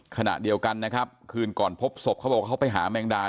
ขณะเดียวกันนะครับคืนก่อนพบศพเขาบอกว่าเขาไปหาแมงดา